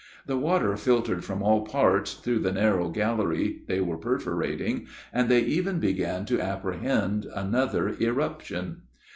The water filtered from all parts, through the narrow gallery they were perforating, and they even began to apprehend another irruption.